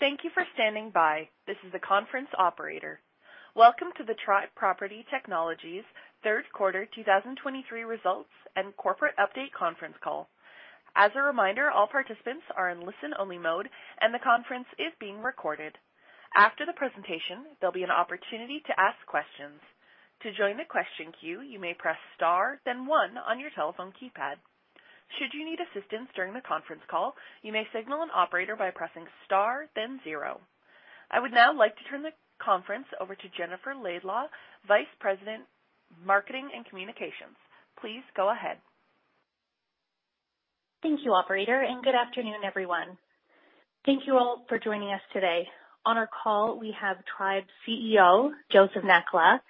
Thank you for standing by. This is the conference operator. Welcome to the Tribe Property Technologies Third Quarter 2023 Results and Corporate Update conference call. As a reminder, all participants are in listen-only mode, and the conference is being recorded. After the presentation, there'll be an opportunity to ask questions. To join the question queue, you may press star, then one on your telephone keypad. Should you need assistance during the conference call, you may signal an operator by pressing star, then zero. I would now like to turn the conference over to Jennifer Laidlaw, Vice President, Marketing and Communications. Please go ahead. Thank you, operator, and good afternoon, everyone. Thank you all for joining us today. On our call, we have Tribe CEO, Joseph Nakhla,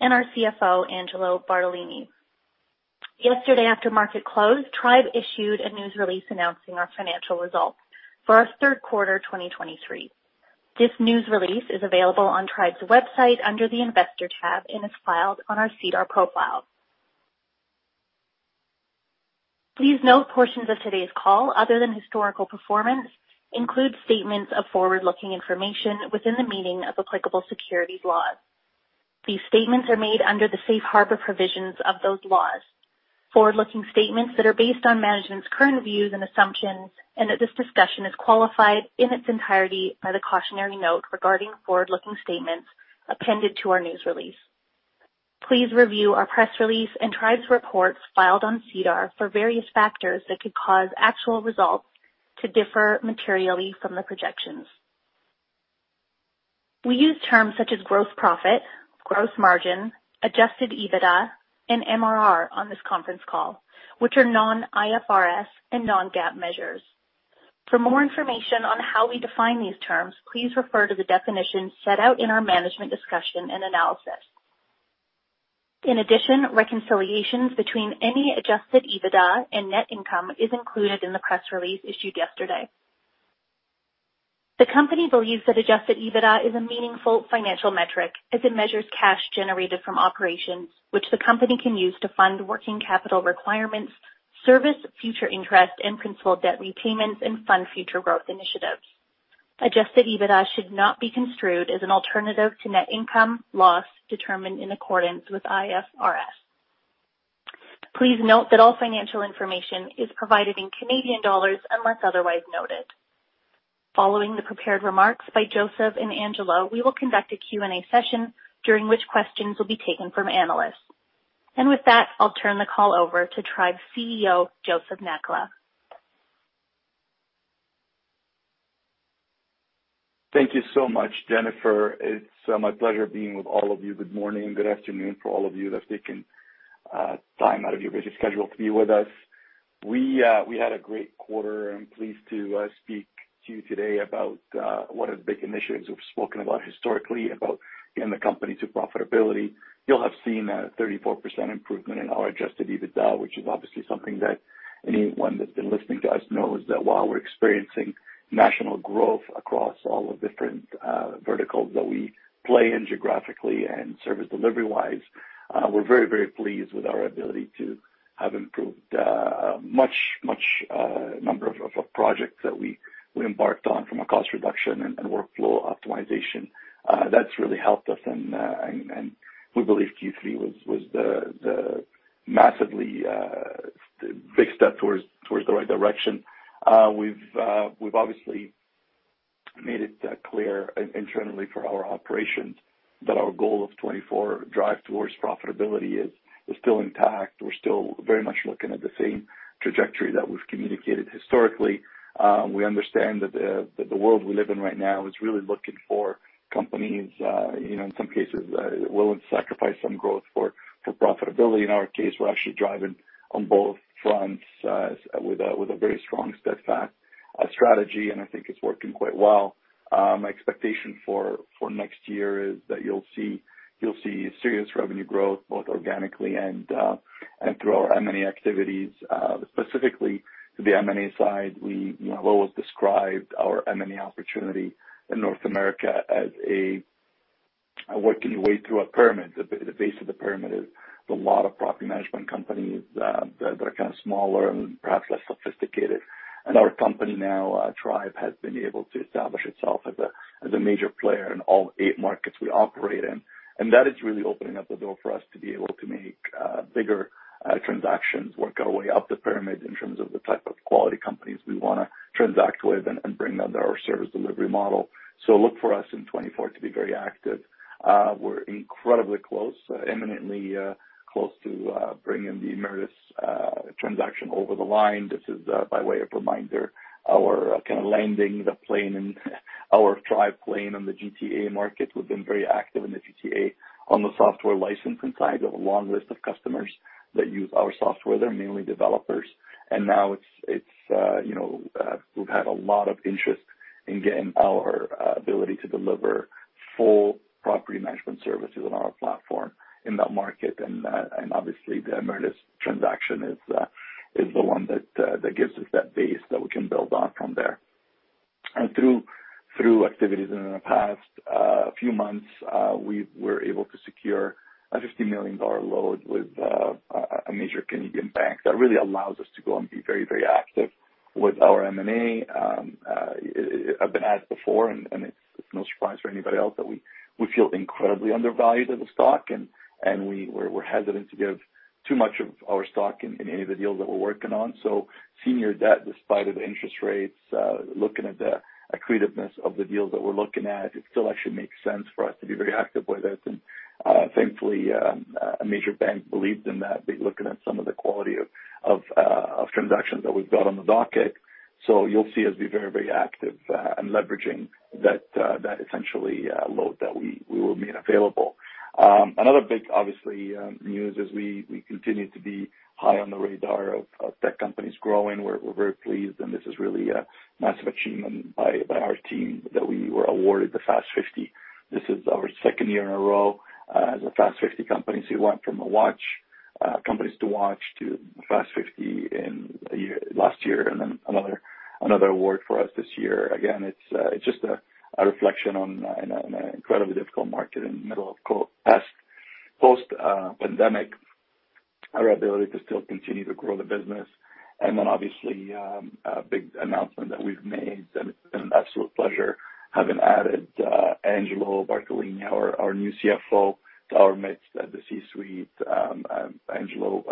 and our CFO, Angelo Bartolini. Yesterday, after market close, Tribe issued a news release announcing our financial results for our third quarter, 2023. This news release is available on Tribe's website under the Investor tab and is filed on our SEDAR profile. Please note, portions of today's call, other than historical performance, include statements of forward-looking information within the meaning of applicable securities laws. These statements are made under the safe harbor provisions of those laws. Forward-looking statements that are based on management's current views and assumptions, and that this discussion is qualified in its entirety by the cautionary note regarding forward-looking statements appended to our news release. Please review our press release and Tribe's reports filed on SEDAR for various factors that could cause actual results to differ materially from the projections. We use terms such as gross profit, gross margin, Adjusted EBITDA, and MRR on this conference call, which are non-IFRS and non-GAAP measures. For more information on how we define these terms, please refer to the definition set out in our management discussion and analysis. In addition, reconciliations between any Adjusted EBITDA and net income is included in the press release issued yesterday. The company believes that Adjusted EBITDA is a meaningful financial metric as it measures cash generated from operations, which the company can use to fund working capital requirements, service future interest and principal debt repayments, and fund future growth initiatives. Adjusted EBITDA should not be construed as an alternative to net income or loss determined in accordance with IFRS. Please note that all financial information is provided in Canadian dollars, unless otherwise noted. Following the prepared remarks by Joseph and Angelo, we will conduct a Q&A session, during which questions will be taken from analysts. With that, I'll turn the call over to Tribe CEO, Joseph Nakhla. Thank you so much, Jennifer. It's my pleasure being with all of you. Good morning, good afternoon for all of you that have taken time out of your busy schedule to be with us. We had a great quarter. I'm pleased to speak to you today about one of the big initiatives we've spoken about historically about getting the company to profitability. You'll have seen a 34% improvement in our Adjusted EBITDA, which is obviously something that anyone that's been listening to us knows that while we're experiencing national growth across all the different verticals that we play in geographically and service delivery-wise, we're very, very pleased with our ability to have improved much, much number of projects that we embarked on from a cost reduction and workflow optimization. That's really helped us and we believe Q3 was the massively big step towards the right direction. We've obviously made it clear internally for our operations that our goal of 2024 drive towards profitability is still intact. We're still very much looking at the same trajectory that we've communicated historically. We understand that the world we live in right now is really looking for companies, you know, in some cases, willing to sacrifice some growth for profitability. In our case, we're actually driving on both fronts, with a very strong steadfast strategy, and I think it's working quite well. My expectation for next year is that you'll see serious revenue growth, both organically and through our M&A activities. Specifically to the M&A side, we, you know, have always described our M&A opportunity in North America as a working way through a pyramid. The base of the pyramid is a lot of property management companies that are kind of smaller and perhaps less sophisticated. And our company now, Tribe, has been able to establish itself as a major player in all eight markets we operate in. And that is really opening up the door for us to be able to make bigger transactions, work our way up the pyramid in terms of the type of quality companies we wanna transact with and bring them to our service delivery model. So look for us in 2024 to be very active. We're incredibly close, imminently close to bringing the Meritus transaction over the line. This is, by way of reminder, our kind of landing the plane and our Tribe plane on the GTA market. We've been very active in the GTA. On the software licensing side, we have a long list of customers that use our software. They're mainly developers, and now it's, you know, we've had a lot of interest in getting our ability to deliver full property management services on our platform in that market. Obviously, the Meritus transaction is the one that gives us that base that we can build on from there. Through activities in the past few months, we were able to secure a 50 million dollar loan with a major Canadian bank. That really allows us to go and be very, very active. With our M&A, I've been asked before, and it's no surprise for anybody else that we feel incredibly undervalued as a stock, and we're hesitant to give too much of our stock in any of the deals that we're working on. So senior debt, despite the interest rates, looking at the accretiveness of the deals that we're looking at, it still actually makes sense for us to be very active with it. And, thankfully, a major bank believes in that, being looking at some of the quality of transactions that we've got on the docket. So you'll see us be very, very active in leveraging that, that essentially loan that we will make available. Another big obviously news is we continue to be high on the radar of tech companies growing. We're very pleased, and this is really a massive achievement by our team that we were awarded the Fast Fifty. This is our second year in a row as a Fast 50 company. So we went from a watch companies to watch to Fast Fifty in a year - last year, and then another award for us this year. Again, it's just a reflection on in an incredibly difficult market in the middle of post-pandemic, our ability to still continue to grow the business. And then obviously a big announcement that we've made, and it's been an absolute pleasure having added Angelo Bartolini, our new CFO, to our midst at the C-suite. Angelo,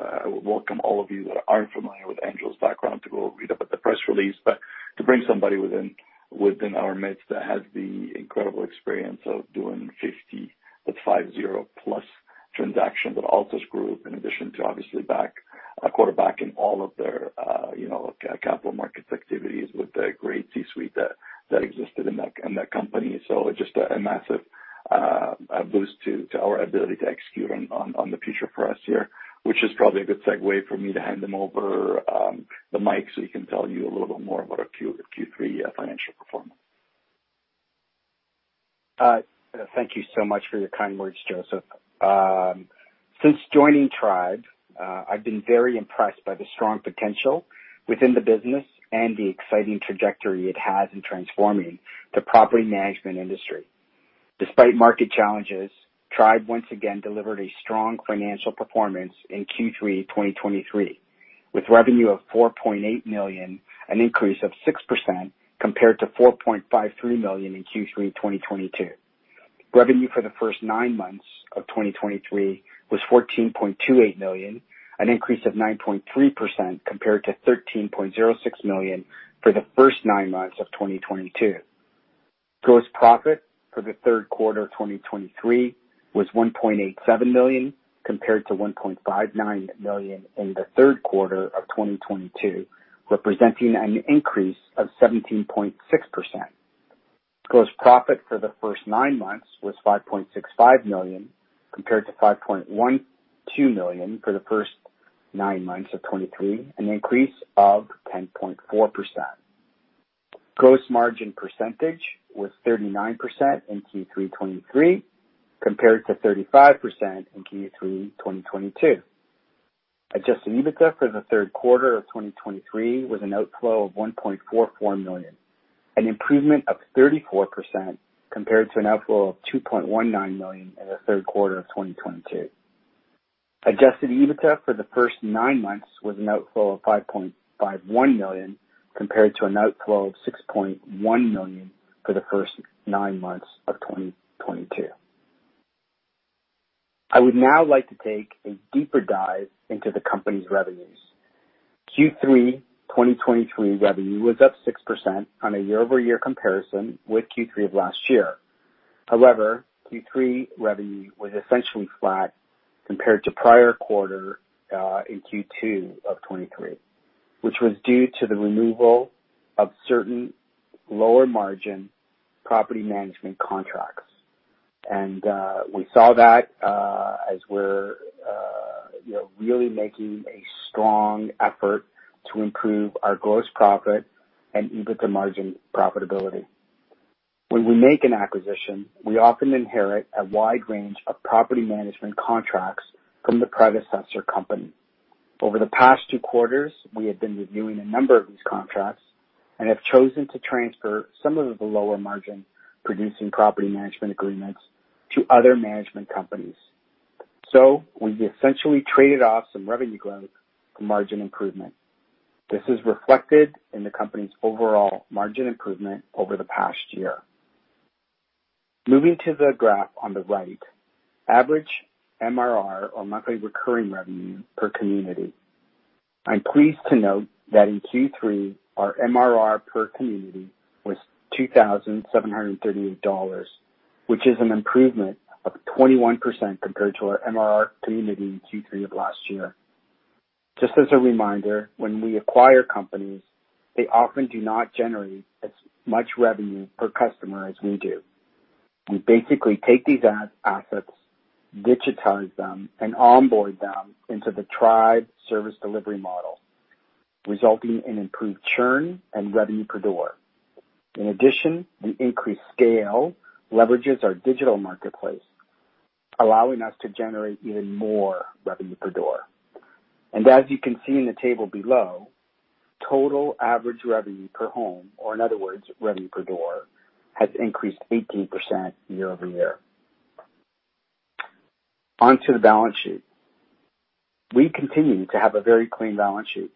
welcome all of you that aren't familiar with Angelo's background to go read about the press release, but to bring somebody within our midst that has the incredible experience of doing 50, that's 50, plus transactions with Altus Group, in addition to obviously back, quarterbacking all of their, you know, capital markets activities with the great C-suite that existed in that company. So just a massive boost to our ability to execute on the future for us here, which is probably a good segue for me to hand him over the mic, so he can tell you a little bit more about our Q3 financial performance. Thank you so much for your kind words, Joseph. Since joining Tribe, I've been very impressed by the strong potential within the business and the exciting trajectory it has in transforming the property management industry. Despite market challenges, Tribe once again delivered a strong financial performance in Q3 2023, with revenue of 4.8 million, an increase of 6% compared to 4.53 million in Q3 2022. Revenue for the first nine months of 2023 was 14.28 million, an increase of 9.3% compared to 13.06 million for the first nine months of 2022. Gross profit for the third quarter 2023 was 1.87 million, compared to 1.59 million in the third quarter of 2022, representing an increase of 17.6%. Gross profit for the first nine months was 5.65 million, compared to 5.12 million for the first nine months of 2023, an increase of 10.4%. Gross margin percentage was 39% in Q3 2023, compared to 35% in Q3 2022. Adjusted EBITDA for the third quarter of 2023 was an outflow of 1.44 million, an improvement of 34% compared to an outflow of 2.19 million in the third quarter of 2022. Adjusted EBITDA for the first nine months was an outflow of 5.51 million, compared to an outflow of 6.1 million for the first nine months of 2022. I would now like to take a deeper dive into the company's revenues. Q3 2023 revenue was up 6% on a year-over-year comparison with Q3 of last year. However, Q3 revenue was essentially flat compared to prior quarter in Q2 of 2023, which was due to the removal of certain lower margin property management contracts. And we saw that as we're you know really making a strong effort to improve our gross profit and EBITDA margin profitability. When we make an acquisition, we often inherit a wide range of property management contracts from the predecessor company. Over the past two quarters, we have been reviewing a number of these contracts and have chosen to transfer some of the lower margin-producing property management agreements to other management companies. So we essentially traded off some revenue growth for margin improvement. This is reflected in the company's overall margin improvement over the past year. Moving to the graph on the right, average MRR, or monthly recurring revenue per community. I'm pleased to note that in Q3, our MRR per community was 2,738 dollars, which is an improvement of 21% compared to our MRR community in Q3 of last year. Just as a reminder, when we acquire companies, they often do not generate as much revenue per customer as we do. We basically take these assets, digitize them, and onboard them into the Tribe service delivery model, resulting in improved churn and revenue per door. In addition, the increased scale leverages our digital marketplace, allowing us to generate even more revenue per door. And as you can see in the table below, total average revenue per home, or in other words, revenue per door, has increased 18% year-over-year.... On to the balance sheet. We continue to have a very clean balance sheet.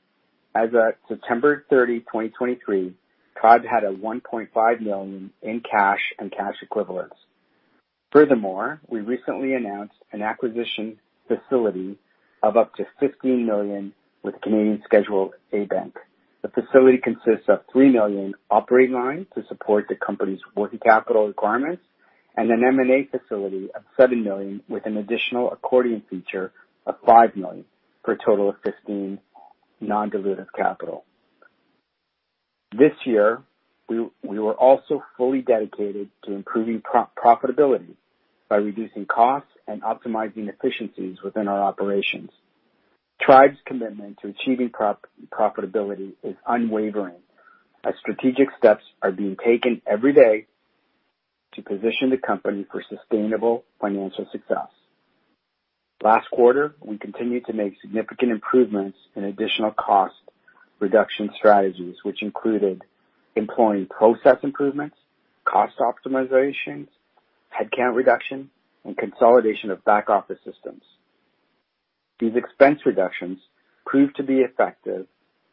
As at September 30, 2023, Tribe had 1.5 million in cash and cash equivalents. Furthermore, we recently announced an acquisition facility of up to 15 million with Canadian Schedule A Bank. The facility consists of 3 million operating lines to support the company's working capital requirements and an M&A facility of 7 million, with an additional accordion feature of 5 million, for a total of 15 million non-dilutive capital. This year, we were also fully dedicated to improving pro-profitability by reducing costs and optimizing efficiencies within our operations. Tribe's commitment to achieving pro-profitability is unwavering, as strategic steps are being taken every day to position the company for sustainable financial success. Last quarter, we continued to make significant improvements in additional cost reduction strategies, which included employing process improvements, cost optimization, headcount reduction, and consolidation of back-office systems. These expense reductions proved to be effective,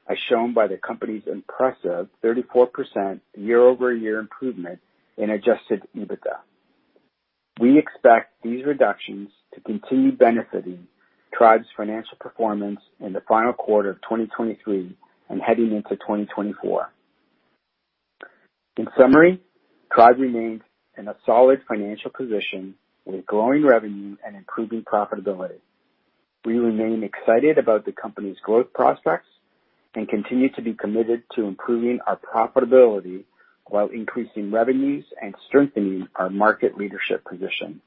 as shown by the company's impressive 34% year-over-year improvement in Adjusted EBITDA. We expect these reductions to continue benefiting Tribe's financial performance in the final quarter of 2023 and heading into 2024. In summary, Tribe remains in a solid financial position with growing revenue and improving profitability. We remain excited about the company's growth prospects and continue to be committed to improving our profitability while increasing revenues and strengthening our market leadership position.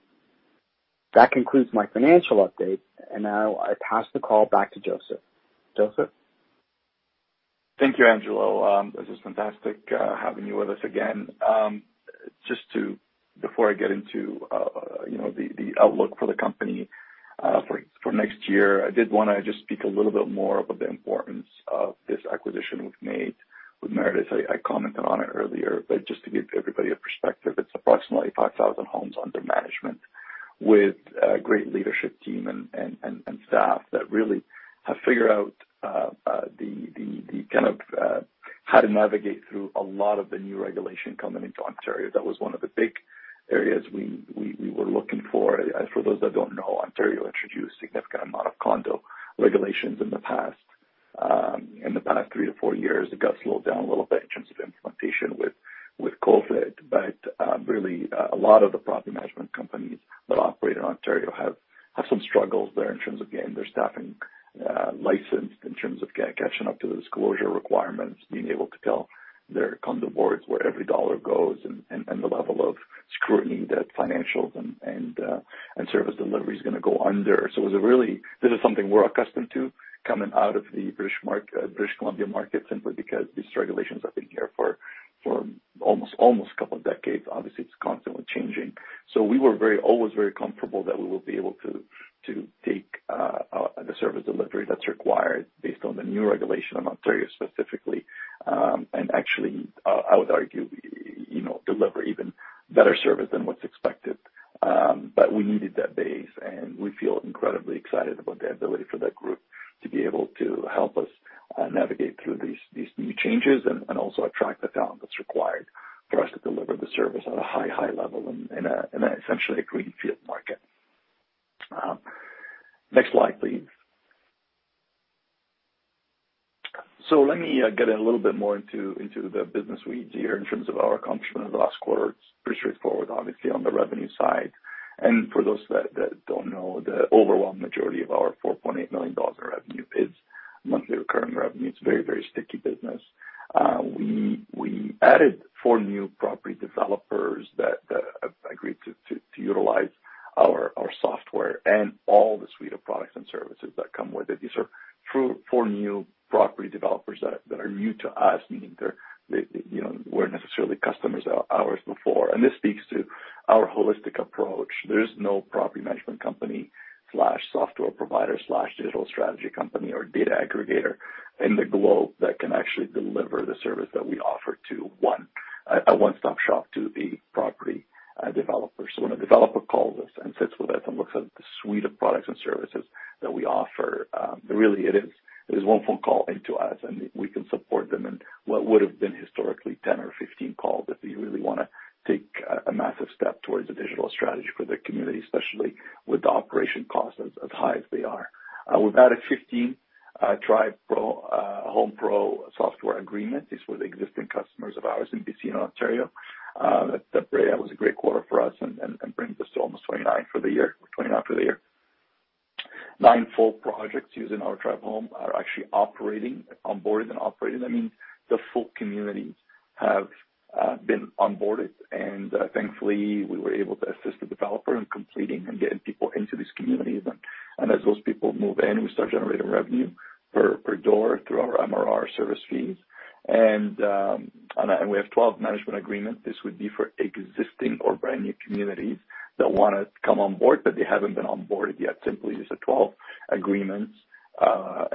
That concludes my financial update, and now I pass the call back to Joseph. Joseph? Thank you, Angelo. This is fantastic, having you with us again. Just to... Before I get into, you know, the outlook for the company, for next year, I did want to just speak a little bit more about the importance of this acquisition we've made with Meritus. I commented on it earlier, but just to give everybody a perspective, it's approximately 5,000 homes under management with a great leadership team and staff that really have figured out the kind of how to navigate through a lot of the new regulation coming into Ontario. That was one of the big areas we were looking for. For those that don't know, Ontario introduced a significant amount of condo regulations in the past. In the past 3-4 years, it got slowed down a little bit in terms of implementation with COVID. But really, a lot of the property developers that are new to us, meaning they're, you know, weren't necessarily customers of ours before. And this speaks to our holistic approach. There is no property management company/software provider/digital strategy company or data aggregator in the globe that can actually deliver the service that we offer to a one-stop shop to the property developers. So when a developer calls us and sits with us and looks at the suite of products and services that we offer, really it is, it is one phone call into us, and we can support them in what would have been historically 10 or 15 calls if you really wanna take a massive step towards a digital strategy for their community, especially with the operation costs as high as they are. We've added 15 Tribe Home Pro software agreements. These were the existing customers of ours in BC and Ontario. That was a great quarter for us and brings us to almost 29 for the year, 29 for the year. Nine full projects using our Tribe Home are actually operating, onboarded and operating. That means the full communities have been onboarded, and thankfully, we were able to assist the developer in completing and getting people into these communities. And as those people move in, we start generating revenue per door through our MRR service fees. And we have 12 management agreements. This would be for existing or brand-new communities that wanna come on board, but they haven't been onboarded yet, the 12 agreements.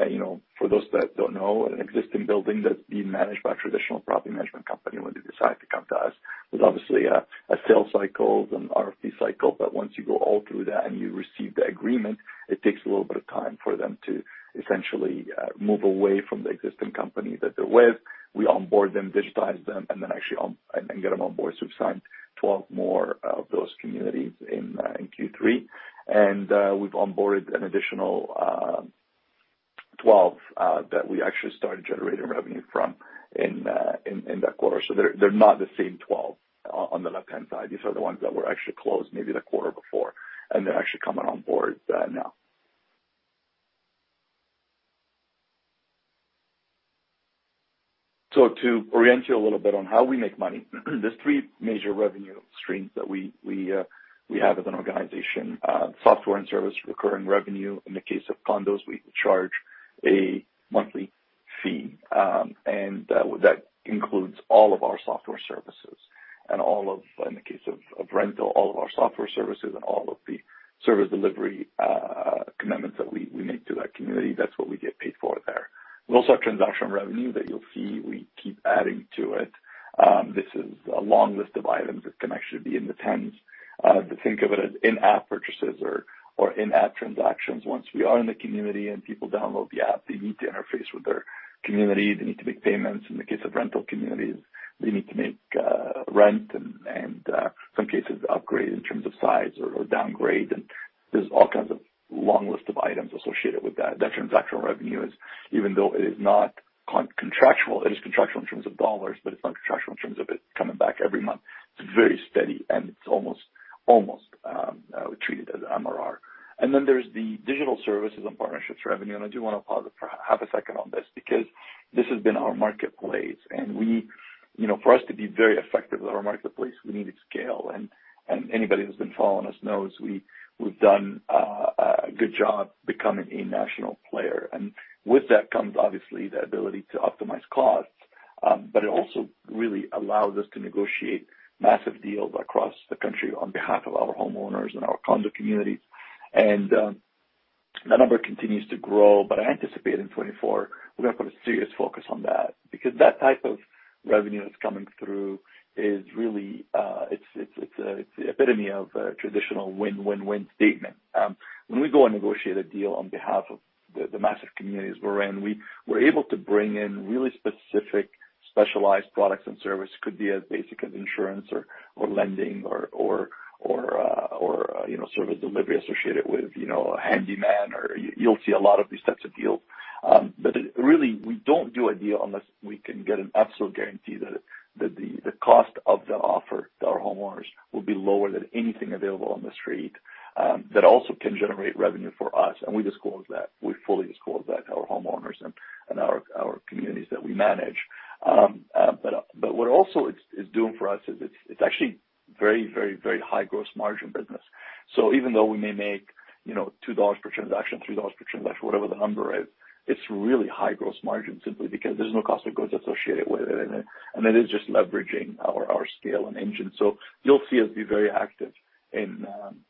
You know, for those that don't know, an existing building that's being managed by a traditional property management company, when they decide to come to us, there's obviously a sales cycle, then RFP cycle. But once you go all through that and you receive the agreement, it takes a little bit of time for them to essentially move away from the existing company that they're with. We onboard them, digitize them, and then actually onboard and get them on board. So we've signed 12 more of those communities in Q3, and we've onboarded an additional 12 that we actually started generating revenue from in that quarter. So they're not the same 12 on the left-hand side. These are the ones that were actually closed maybe the quarter before, and they're actually coming on board now. So to orient you a little bit on how we make money, there's 3 major revenue streams that we have as an organization. Software and service recurring revenue. In the case of condos, we charge a monthly fee, and that includes all of our software services and all of... In the case of rental, all of our software services and all of the service delivery commitments that we make to that community. That's what we get paid for there. We also have transactional revenue that you'll see, we keep adding to it. This is a long list of items. This can actually be in the tens. But think of it as in-app purchases or in-app transactions. Once we are in the community and people download the app, they need to interface with their community. They need to make payments. In the case of rental communities, they need to make rent and some cases upgrade in terms of size or downgrade. And there's all kinds of long list of items associated with that. That transactional revenue is, even though it is not contractual, it is contractual in terms of dollars, but it's not contractual in terms of it coming back every month. It's very steady, and it's almost treated as MRR. And then there's the digital services and partnerships revenue. And I do want to pause it for half a second on this because this has been our marketplace, and we— You know, for us to be very effective with our marketplace, we needed scale. And anybody who's been following us knows we've done a good job becoming a national player. And with that comes, obviously, the ability to optimize costs, but it also really allows us to negotiate massive deals across the country on behalf of our homeowners and our condo communities. That number continues to grow, but I anticipate in 2024, we're going to put a serious focus on that because that type of revenue that's coming through is really, it's, it's, it's the epitome of a traditional win-win-win statement. When we go and negotiate a deal on behalf of the massive communities we're in, we're able to bring in really specific, specialized products and services. Could be as basic as insurance or lending or service delivery associated with, you know, a handyman or... You'll see a lot of these types of deals. But really, we don't do a deal unless we can get an absolute guarantee that the cost of that offer to our homeowners will be lower than anything available on the street, that also can generate revenue for us. We disclose that. We fully disclose that to our homeowners and our communities that we manage. But what it also is doing for us is it's actually very, very, very high gross margin business. So even though we may make, you know, 2 dollars per transaction, 3 dollars per transaction, whatever the number is, it's really high gross margin, simply because there's no cost of goods associated with it, and it is just leveraging our scale and engine. So you'll see us be very active in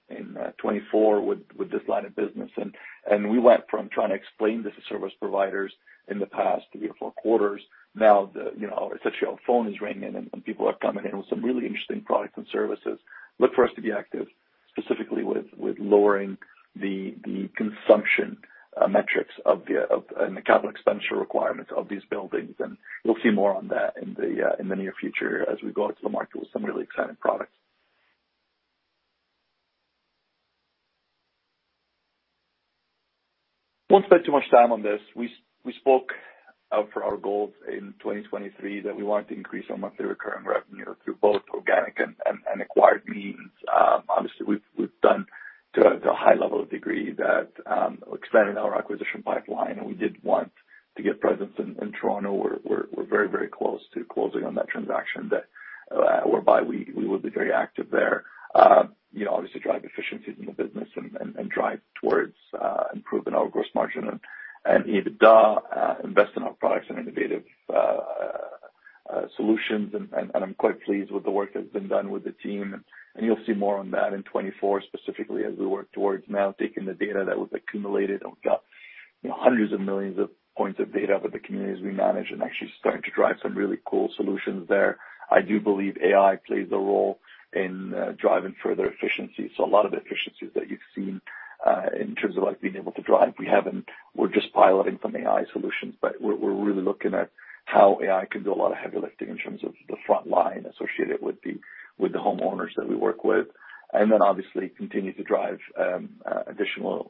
2024 with this line of business. We went from trying to explain this to service providers in the past three or four quarters. Now, you know, essentially our phone is ringing and people are coming in with some really interesting products and services. Look for us to be active, specifically with lowering the consumption metrics of and the capital expenditure requirements of these buildings, and you'll see more on that in the near future as we go out to the market with some really exciting products. Won't spend too much time on this. We spoke for our goals in 2023, that we wanted to increase our monthly recurring revenue through both organic and acquired means. Obviously, we've done to a high degree that expanded our acquisition pipeline, and we did want to get presence in Toronto, where we're very close to closing on that transaction whereby we will be very active there. You know, obviously drive efficiencies in the business and drive towards improving our gross margin and EBITDA, invest in our products and innovative solutions. And I'm quite pleased with the work that's been done with the team, and you'll see more on that in 2024, specifically as we work towards now taking the data that was accumulated. And we've got, you know, hundreds of millions of points of data with the communities we manage and actually starting to drive some really cool solutions there. I do believe AI plays a role in driving further efficiency. So a lot of the efficiencies that you've seen in terms of us being able to drive, we haven't. We're just piloting some AI solutions, but we're really looking at how AI can do a lot of heavy lifting in terms of the front line associated with the homeowners that we work with. And then, obviously, continue to drive additional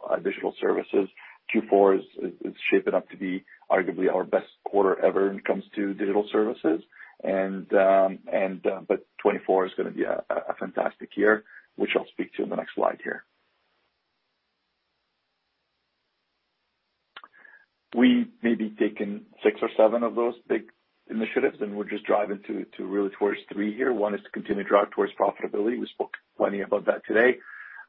services. Q4 is shaping up to be arguably our best quarter ever when it comes to digital services. But 2024 is going to be a fantastic year, which I'll speak to in the next slide here. We may be taking six or seven of those big initiatives, and we're just driving to really towards three here. One is to continue to drive towards profitability. We spoke plenty about that today.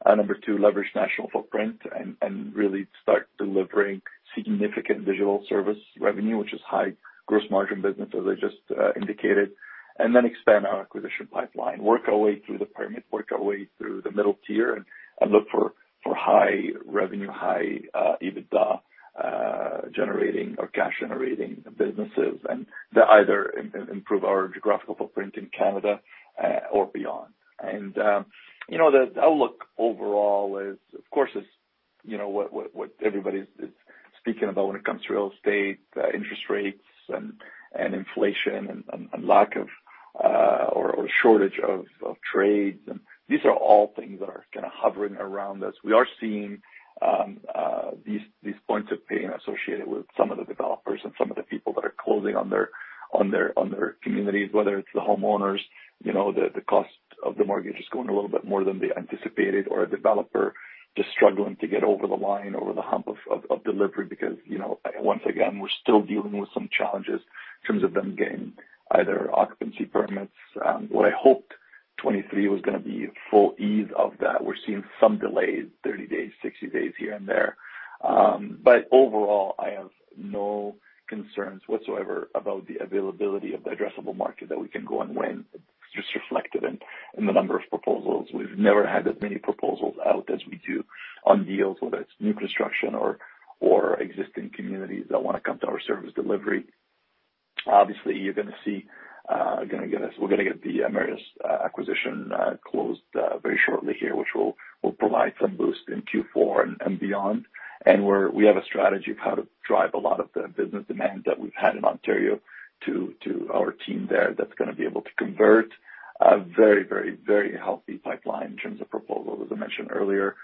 Number two, leverage national footprint and really start delivering significant digital service revenue, which is high gross margin business, as I just indicated... and then expand our acquisition pipeline, work our way through the permit, work our way through the middle tier, and look for high revenue, high EBITDA generating or cash-generating businesses, and that either improve our geographical footprint in Canada or beyond. And, you know, the outlook overall is, of course, what everybody is speaking about when it comes to real estate, interest rates and inflation and lack of or shortage of trades. And these are all things that are kind of hovering around us. We are seeing these points of pain associated with some of the developers and some of the people that are closing on their communities, whether it's the homeowners, you know, the cost of the mortgage is going a little bit more than they anticipated, or a developer just struggling to get over the line, over the hump of delivery because, you know, once again, we're still dealing with some challenges in terms of them getting either occupancy permits. What I hoped 2023 was gonna be full ease of that. We're seeing some delays, 30 days, 60 days here and there. But overall, I have no concerns whatsoever about the availability of the addressable market that we can go and win. It's just reflected in the number of proposals. We've never had as many proposals out as we do on deals, whether it's new construction or existing communities that wanna come to our service delivery. Obviously, you're gonna see, we're gonna get the Meritus acquisition closed very shortly here, which will provide some boost in Q4 and beyond. We have a strategy of how to drive a lot of the business demand that we've had in Ontario to our team there that's gonna be able to convert a very, very, very healthy pipeline in terms of proposals. As I mentioned earlier,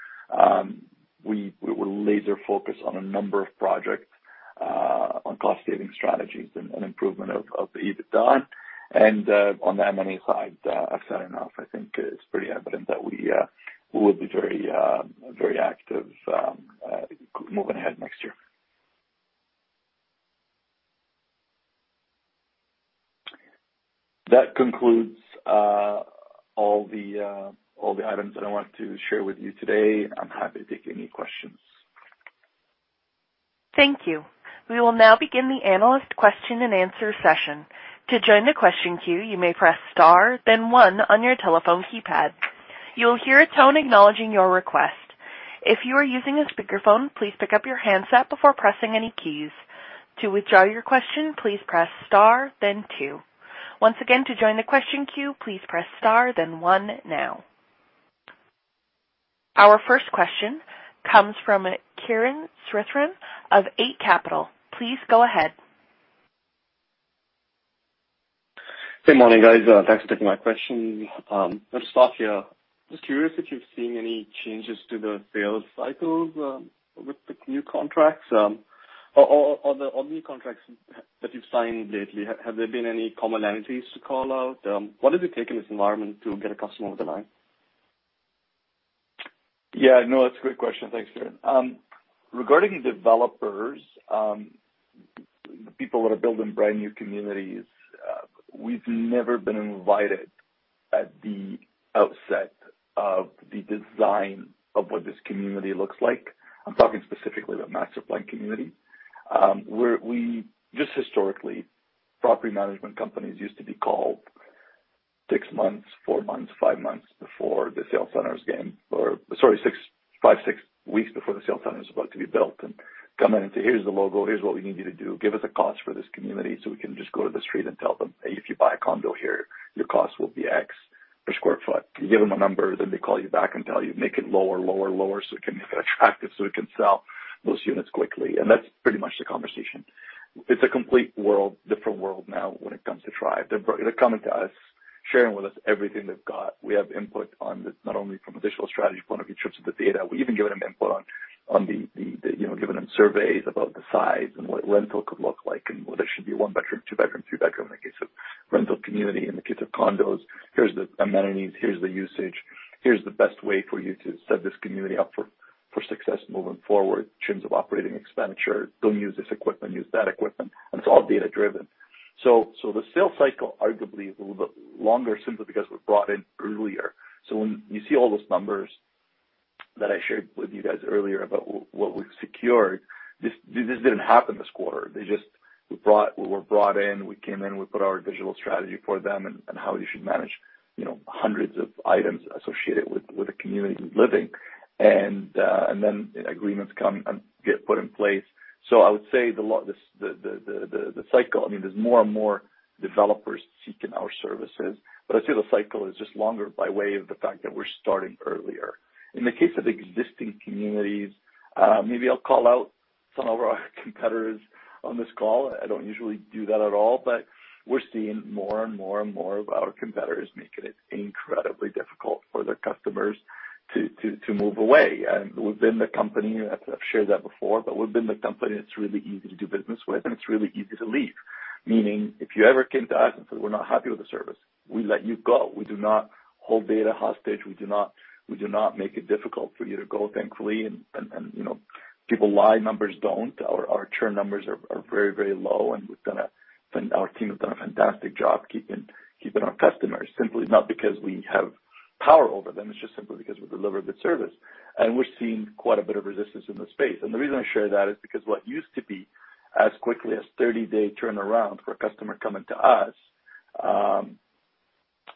we will laser focus on a number of projects on cost saving strategies and improvement of the EBITDA. And on the M&A side, I've said enough. I think it's pretty evident that we, we will be very, very active, moving ahead next year. That concludes, all the, all the items that I wanted to share with you today. I'm happy to take any questions. Thank you. We will now begin the analyst question and answer session. To join the question queue, you may press star then one on your telephone keypad. You'll hear a tone acknowledging your request. If you are using a speakerphone, please pick up your handset before pressing any keys. To withdraw your question, please press star then two. Once again, to join the question queue, please press star then one now. Our first question comes from Kiran Sritharan of Eight Capital. Please go ahead. Good morning, guys. Thanks for taking my question. Let's start here. Just curious if you've seen any changes to the sales cycles with the new contracts? Or the contracts that you've signed lately, have there been any commonalities to call out? What does it take in this environment to get a customer over the line? Yeah, no, that's a great question. Thanks, Kiran. Regarding developers, people that are building brand new communities, we've never been invited at the outset of the design of what this community looks like. I'm talking specifically about master planned community. Just historically, property management companies used to be called 6 months, 4 months, 5 months before the sales center, sorry, 5, 6 weeks before the sales center is about to be built and come in and say, "Here's the logo. Here's what we need you to do. Give us a cost for this community so we can just go to the street and tell them, 'Hey, if you buy a condo here, your cost will be X per square foot.'" You give them a number, then they call you back and tell you, "Make it lower, lower, lower, so we can make it attractive, so we can sell those units quickly." And that's pretty much the conversation. It's a complete world, different world now when it comes to Tribe. They're, they're coming to us, sharing with us everything they've got. We have input on this, not only from a digital strategy point of view in terms of the data. We even give them input on you know giving them surveys about the size and what rental could look like and whether it should be one-bedroom, two-bedroom, three-bedroom, in the case of rental community, in the case of condos. Here's the amenities, here's the usage. Here's the best way for you to set this community up for success moving forward in terms of operating expenditure. Don't use this equipment, use that equipment, and it's all data-driven. So the sales cycle, arguably, is a little bit longer simply because we're brought in earlier. So when you see all those numbers that I shared with you guys earlier about what we've secured, this didn't happen this quarter. We were brought in, we came in, we put our digital strategy for them and how you should manage, you know, hundreds of items associated with the community living, and then agreements come and get put in place. So I would say the cycle, I mean, there's more and more developers seeking our services, but I'd say the cycle is just longer by way of the fact that we're starting earlier. In the case of existing communities, maybe I'll call out some of our competitors on this call. I don't usually do that at all, but we're seeing more and more and more of our competitors making it incredibly difficult for their customers to move away. We've been the company. I've shared that before, but we've been the company it's really easy to do business with, and it's really easy to leave. Meaning, if you ever came to us and said, "We're not happy with the service," we let you go. We do not hold data hostage. We do not make it difficult for you to go, thankfully, and you know, people lie, numbers don't. Our churn numbers are very, very low, and our team has done a fantastic job keeping our customers simply not because we have power over them. It's just simply because we deliver good service, and we're seeing quite a bit of resistance in the space. The reason I share that is because what used to be as quickly as 30-day turnaround for a customer coming to us,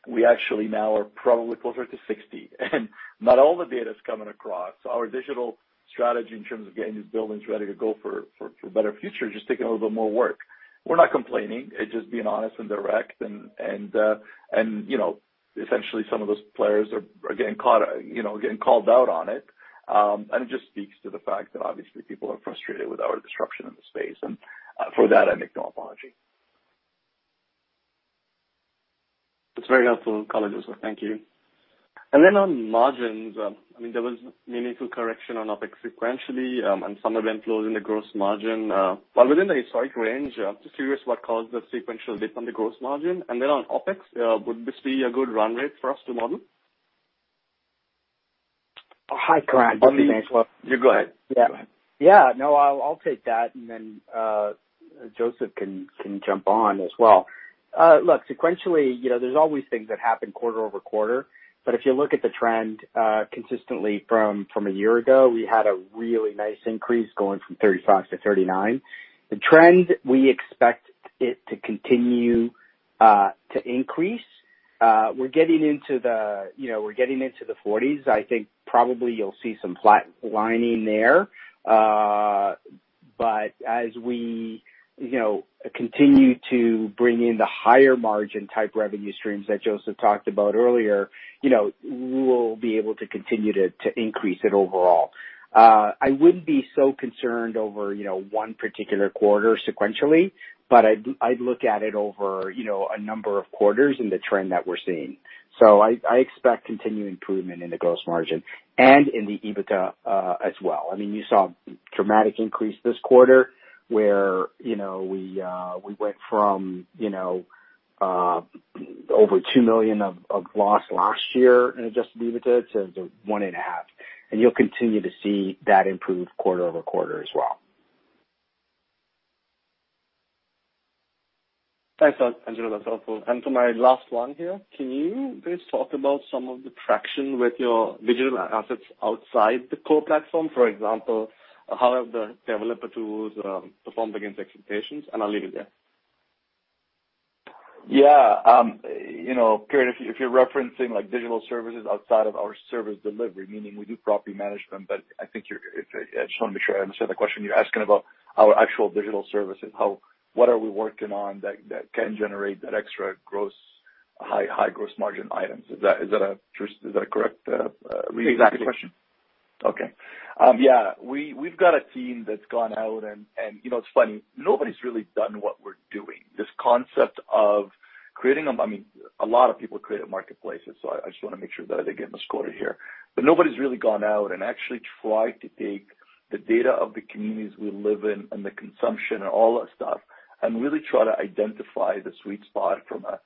we actually now are probably closer to 60, and not all the data is coming across. So our digital strategy in terms of getting these buildings ready to go for a better future just taking a little bit more work. We're not complaining. It's just being honest and direct and you know essentially some of those players are getting caught, you know, getting called out on it. It just speaks to the fact that obviously people are frustrated with our disruption in the space, and for that, I make no apology. That's very helpful, Joseph. Thank you. And then on margins, I mean, there was meaningful correction on OpEx sequentially, and some of them closed in the gross margin, but within the expected range. Just curious what caused the sequential dip on the gross margin? And then on OpEx, would this be a good run rate for us to model? Hi, Kiran. I'll be next. Well, you go ahead. Yeah. Go ahead. Yeah, no, I'll, I'll take that, and then Joseph can, can jump on as well. Look, sequentially, you know, there's always things that happen quarter-over-quarter, but if you look at the trend, consistently from, from a year ago, we had a really nice increase going from 35 to 39. The trend, we expect it to continue to increase. We're getting into the, you know, we're getting into the 40s. I think probably you'll see some flat lining there. But as we, you know, continue to bring in the higher margin type revenue streams that Joseph talked about earlier, you know, we'll be able to continue to, to increase it overall. I wouldn't be so concerned over, you know, one particular quarter sequentially, but I'd, I'd look at it over, you know, a number of quarters in the trend that we're seeing. So I, I expect continued improvement in the gross margin and in the EBITDA, as well. I mean, you saw a dramatic increase this quarter where, you know, we, we went from, you know, over 2 million of loss last year in adjusted EBITDA to 1.5 million, and you'll continue to see that improve quarter-over-quarter as well. Thanks, Angelo. That's helpful. And for my last one here, can you please talk about some of the traction with your digital assets outside the core platform? For example, how have the developer tools performed against expectations? And I'll leave it there. Yeah, you know, Kiran, if you're referencing like digital services outside of our service delivery, meaning we do property management, but I think you're-- I just want to make sure I understand the question. You're asking about our actual digital services, how-- what are we working on that can generate that extra gross, high gross margin items? Is that a correct reading of the question? Exactly. Okay. Yeah, we've got a team that's gone out and, you know, it's funny. Nobody's really done what we're doing. This concept of creating a... I mean, a lot of people create marketplaces, so I just want to make sure that I didn't get misquoted here. But nobody's really gone out and actually tried to take the data of the communities we live in and the consumption and all that stuff, and really try to identify the sweet spot from a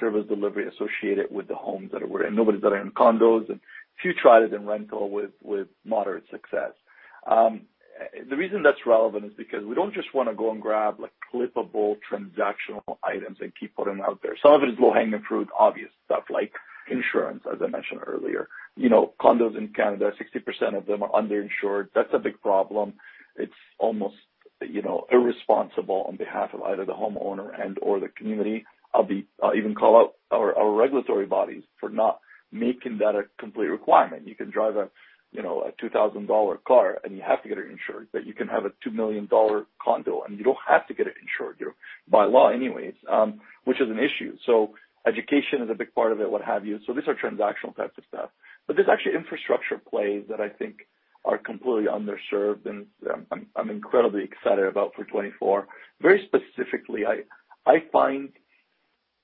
service delivery associated with the homes that are there. And nobody's done it in condos, and few tried it in rental with moderate success. The reason that's relevant is because we don't just want to go and grab, like, clippable transactional items and keep putting them out there. Some of it is low-hanging fruit, obvious stuff like insurance, as I mentioned earlier. You know, condos in Canada, 60% of them are underinsured. That's a big problem. It's almost, you know, irresponsible on behalf of either the homeowner and/or the community. I'll even call out our regulatory bodies for not making that a complete requirement. You can drive a, you know, a 2,000 dollar car, and you have to get it insured, but you can have a 2 million dollar condo, and you don't have to get it insured, you, by law anyways, which is an issue. So education is a big part of it, what have you. So these are transactional types of stuff. But there's actually infrastructure plays that I think are completely underserved, and I'm incredibly excited about for 2024. Very specifically, I find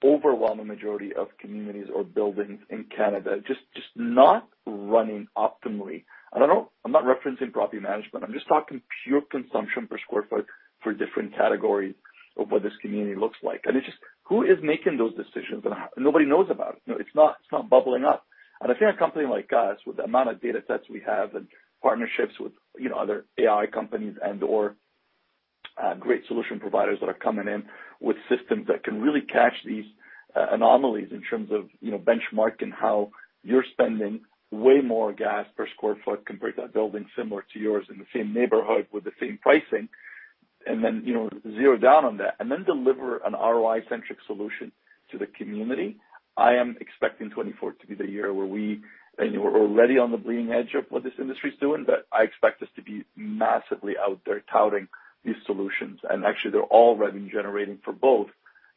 overwhelming majority of communities or buildings in Canada just not running optimally. And I don't. I'm not referencing property management. I'm just talking pure consumption per square foot for different categories of what this community looks like. And it's just who is making those decisions? And nobody knows about it. You know, it's not bubbling up. And I think a company like us, with the amount of datasets we have and partnerships with, you know, other AI companies and/or, great solution providers that are coming in with systems that can really catch these, anomalies in terms of, you know, benchmarking how you're spending way more gas per sq ft compared to a building similar to yours in the same neighborhood with the same pricing, and then, you know, zero down on that, and then deliver an ROI-centric solution to the community. I am expecting 2024 to be the year where we, I know we're already on the bleeding edge of what this industry is doing, but I expect us to be massively out there touting these solutions. And actually, they're all revenue-generating for both,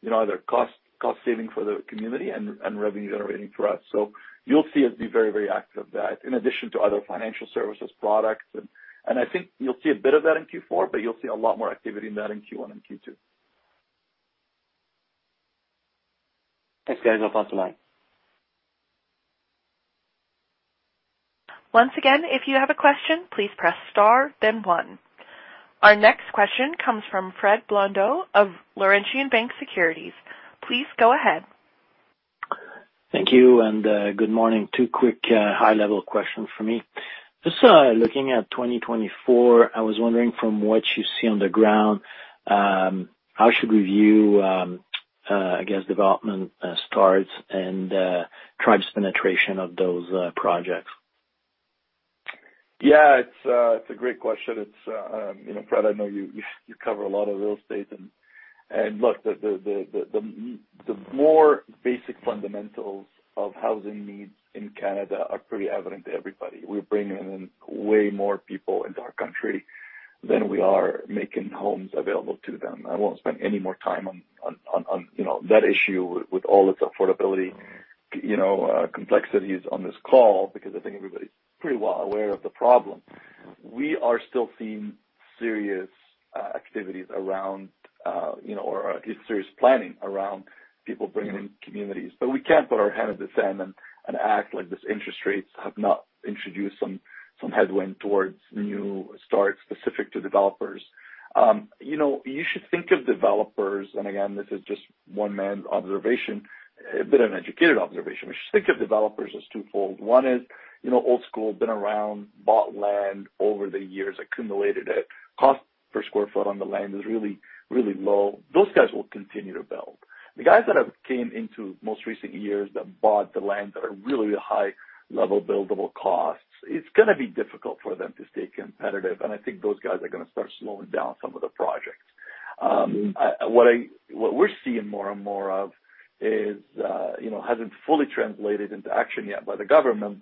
you know, either cost, cost-saving for the community and, and revenue-generating for us. So you'll see us be very, very active, that in addition to other financial services products. And, and I think you'll see a bit of that in Q4, but you'll see a lot more activity in that in Q1 and Q2. Thanks, guys. I'll pass the line. Once again, if you have a question, please press star then one. Our next question comes from Fred Blondeau of Laurentian Bank Securities. Please go ahead. Thank you, and good morning. Two quick high-level questions for me. Just looking at 2024, I was wondering from what you see on the ground, how should we view, I guess, development starts and Tribe's penetration of those projects? Yeah, it's a great question. It's you know, Fred, I know you cover a lot of real estate and look, the more basic fundamentals of housing needs in Canada are pretty evident to everybody. We're bringing in way more people into our country than we are making homes available to them. I won't spend any more time on you know, that issue with all its affordability, you know, complexities on this call because I think everybody's pretty well aware of the problem. We are still seeing serious activities around you know, or at least serious planning around people bringing in communities. But we can't put our head in the sand and act like this interest rates have not introduced some headwind towards new starts specific to developers. You know, you should think of developers, and again, this is just one man's observation, but an educated observation. We should think of developers as twofold. One is, you know, old school, been around, bought land over the years, accumulated it. Cost per square foot on the land is really, really low. Those guys will continue to build. The guys that have came into most recent years, that bought the land at a really high level buildable costs, it's gonna be difficult for them to stay competitive, and I think those guys are gonna start slowing down some of the projects. What we're seeing more and more of is, you know, hasn't fully translated into action yet by the government,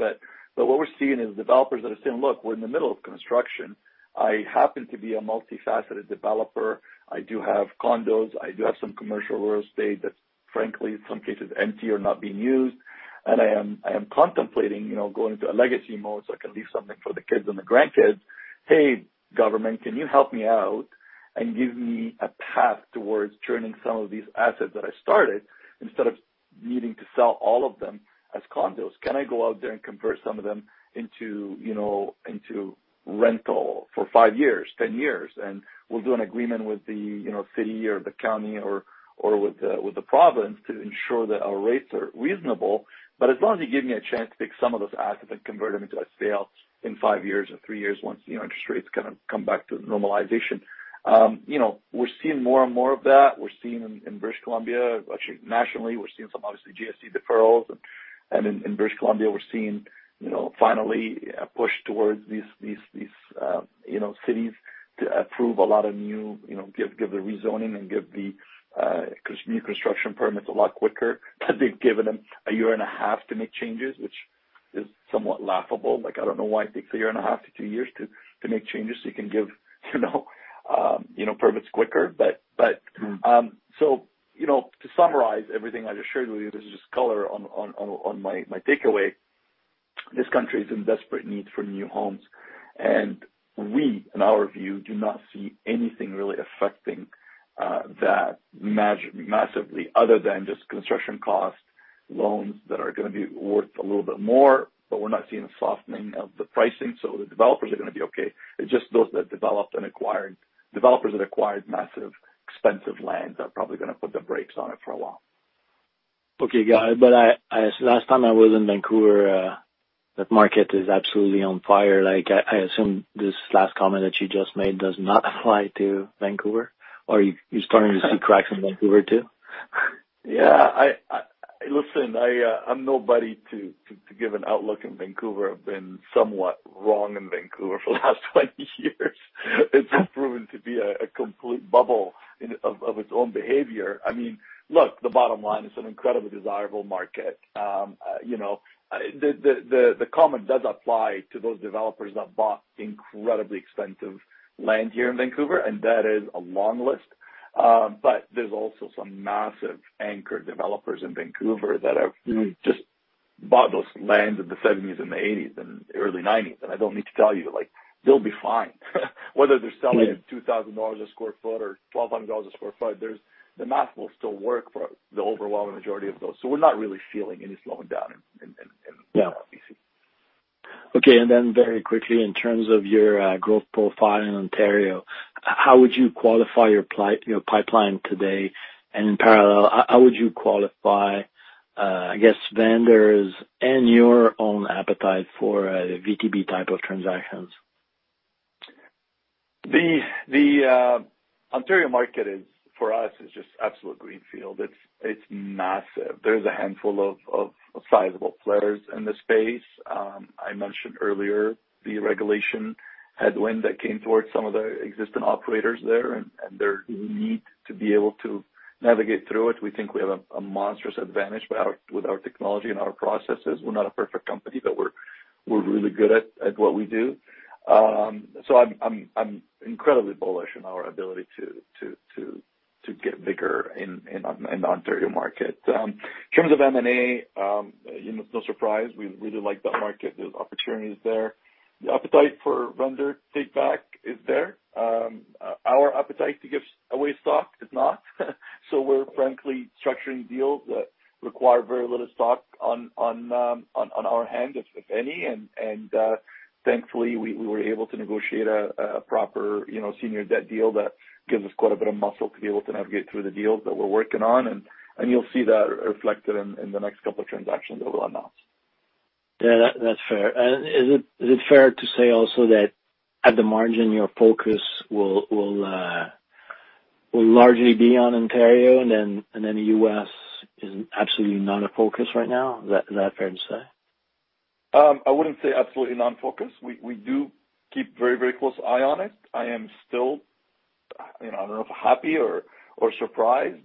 but what we're seeing is developers that are saying, "Look, we're in the middle of construction. I happen to be a multifaceted developer. I do have condos. I do have some commercial real estate that frankly, in some cases, empty or not being used, and I am, I am contemplating, you know, going to a legacy mode so I can leave something for the kids and the grandkids. Hey, government, can you help me out and give me a path towards turning some of these assets that I started, instead of needing to sell all of them as condos? Can I go out there and convert some of them into, you know, into rental for 5 years, 10 years? We'll do an agreement with the, you know, city or the county or, or with the, with the province to ensure that our rates are reasonable. But as long as you're giving me a chance to take some of those assets and convert them into a sale in five years or three years, once, you know, interest rates kind of come back to normalization." You know, we're seeing more and more of that. We're seeing in British Columbia, actually nationally, we're seeing some obviously GST deferrals. And in British Columbia, we're seeing, you know, finally a push towards these, you know, cities to approve a lot of new, you know, give the rezoning and give the new construction permits a lot quicker than they've given them a year and a half to make changes, which is somewhat laughable. Like, I don't know why it takes 1.5-2 years to make changes so you can give, you know, you know, permits quicker. But, so, you know, to summarize everything I just shared with you, this is just color on my takeaway. This country is in desperate need for new homes, and we, in our view, do not see anything really affecting that massively other than just construction cost, loans that are gonna be worth a little bit more, but we're not seeing a softening of the pricing, so the developers are gonna be okay. It's just developers that acquired massive, expensive lands are probably gonna put the brakes on it for a while. Okay, got it. But last time I was in Vancouver, that market is absolutely on fire. Like, I assume this last comment that you just made does not apply to Vancouver, or you're starting to see cracks in Vancouver, too? Yeah, listen, I'm nobody to give an outlook in Vancouver. I've been somewhat wrong in Vancouver for the last 20 years. It's just proven to be a complete bubble of its own behavior. I mean, look, the bottom line, it's an incredibly desirable market. You know, the comment does apply to those developers that bought incredibly expensive land here in Vancouver, and that is a long list. But there's also some massive anchor developers in Vancouver that have- Mm-hmm. just bought those lands in the 1970s and the 1980s and early 1990s, and I don't need to tell you, like, they'll be fine. Whether they're selling at $2,000/sq ft or $1,200/sq ft, there's the math will still work for the overwhelming majority of those, so we're not really feeling any slowing down in- Yeah. Okay, and then very quickly, in terms of your growth profile in Ontario, how would you qualify your pipeline today? And in parallel, how would you qualify, I guess, vendors and your own appetite for VTB type of transactions? The Ontario market is, for us, just absolute greenfield. It's massive. There's a handful of sizable players in the space. I mentioned earlier the regulation headwind that came towards some of the existing operators there, and their need to be able to navigate through it. We think we have a monstrous advantage with our technology and our processes. We're not a perfect company, but we're really good at what we do. So I'm incredibly bullish in our ability to get bigger in the Ontario market. In terms of M&A, you know, no surprise, we really like that market. There's opportunities there. The appetite for vendor takeback is there. Our appetite to give away stock is not. So we're frankly structuring deals that require very little stock on our end, if any. And thankfully, we were able to negotiate a proper, you know, senior debt deal that gives us quite a bit of muscle to be able to navigate through the deals that we're working on. And you'll see that reflected in the next couple of transactions that we'll announce. Yeah, that's fair. And is it fair to say also that at the margin, your focus will largely be on Ontario, and then the U.S. is absolutely not a focus right now? Is that fair to say? I wouldn't say absolutely not in focus. We do keep a very, very close eye on it. I am still, you know, I don't know if happy or surprised.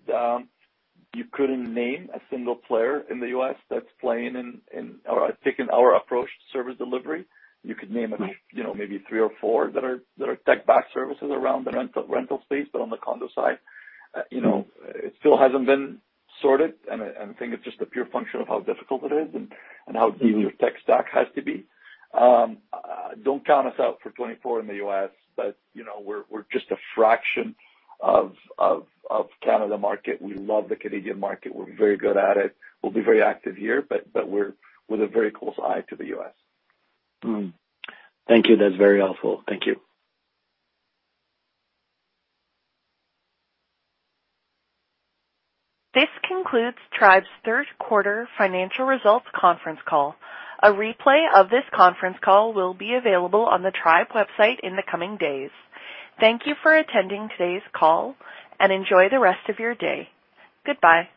You couldn't name a single player in the US that's playing in or taking our approach to service delivery. You could name a few- Mm-hmm. You know, maybe three or four that are tech-backed services around the rental space. But on the condo side, you know, it still hasn't been sorted, and I think it's just a pure function of how difficult it is and how easy your tech stack has to be. Don't count us out for 2024 in the US, but, you know, we're just a fraction of Canada market. We love the Canadian market. We're very good at it. We'll be very active here, but we're with a very close eye to the US. Mm-hmm. Thank you. That's very helpful. Thank you. This concludes Tribe's third quarter financial results conference call. A replay of this conference call will be available on the Tribe website in the coming days. Thank you for attending today's call, and enjoy the rest of your day. Goodbye.